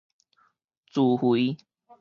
自肥